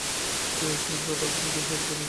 সে ঊশিয়ান, তাদের শক্তিশালী ও সেরা প্রতিনিধি।